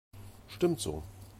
Stimmt so.